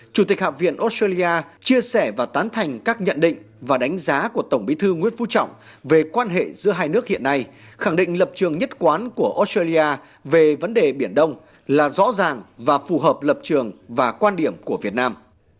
chủ tịch hạ viện australia chia sẻ và tán thành các nhận định và đánh giá của tổng bí thư nguyễn phú trọng về quan hệ giữa hai nước hiện nay khẳng định lập trường nhất quán của australia về vấn đề biển đông là rõ ràng và phù hợp lập trường và quan điểm của việt nam